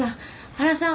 原さん